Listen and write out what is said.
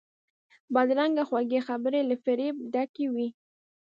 بدرنګه خوږې خبرې له فریب ډکې وي